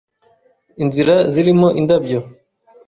Inzira zirimo indabyo